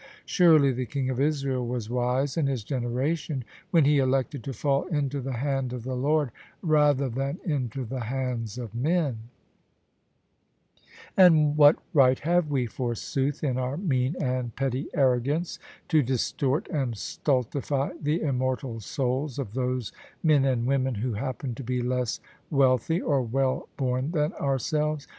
Surely, the King of Israel was wise in his generation when he elected to fall into the Hand of the Lord rather than into the hands of men I And what right have we, forsooth, in our mean and petty arrogance, to distort and stultify the immortal souls of those men and women who happen to be less wealthy or well bom than ourselves